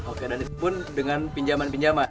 oke dan itu pun dengan pinjaman pinjaman